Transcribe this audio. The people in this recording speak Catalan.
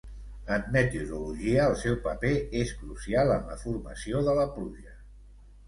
En meteorologia el seu paper és crucial en la formació de la pluja.